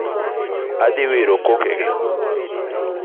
Adhi wiro kokega